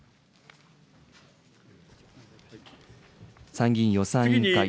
参議院予算委員会。